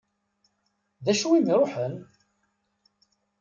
D acu i m-iruḥen?